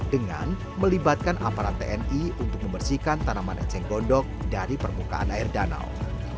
dengan melibatkan aparat tni untuk membersihkan tanaman eceng gondok dari permukaan air danau